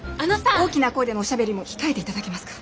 大きな声でのおしゃべりも控えて頂けますか。